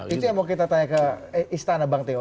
itu yang mau kita tanya ke istana bang teo